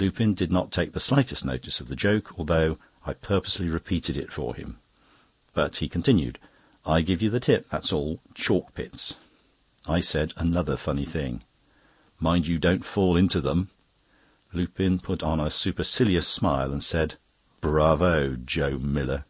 Lupin did not take the slightest notice of the joke, although I purposely repeated it for him; but continued: "I give you the tip, that's all—chalk pits!" I said another funny thing: "Mind you don't fall into them!" Lupin put on a supercilious smile, and said: "Bravo! Joe Miller."